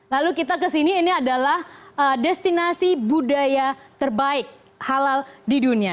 lalu kita kesini ini adalah destinasi budaya terbaik halal di dunia